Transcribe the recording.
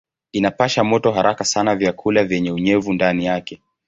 Inapasha moto haraka sana vyakula vyenye unyevu ndani yake.